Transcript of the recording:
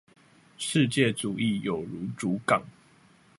世界主義有如竹槓